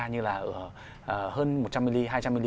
như là ở hơn một trăm linh mm hai trăm linh mm